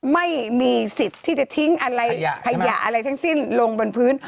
ไม่มีสิทธิ์ที่จะทิ้งอะไรขยะอะไรทั้งสิ้นลงบนพื้น